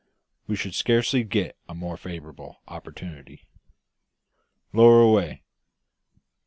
We should scarcely get a more favourable opportunity. "Lower away."